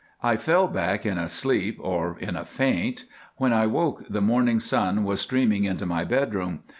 I fell back in a sleep or in a faint. When I woke the morning sun was streaming into my bedroom.